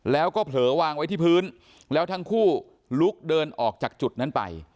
แล้วก็เผลอวางไว้ที่พื้นแล้วทั้งคู่ลุกเดินออกจากจุดนั้นไป